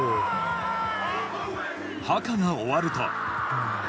ハカが終わると。